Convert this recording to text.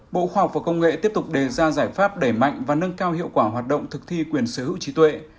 bộ khoa học và công nghệ tiếp tục đề ra giải pháp đẩy mạnh và nâng cao hiệu quả hoạt động thực thi quyền sở hữu trí tuệ